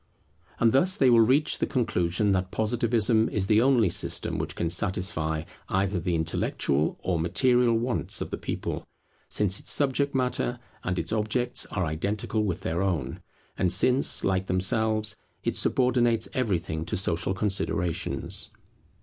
And thus they will reach the conclusion that Positivism is the only system which can satisfy either the intellectual or material wants of the people, since its subject matter and its objects are identical with their own, and since, like themselves, it subordinates everything to social considerations.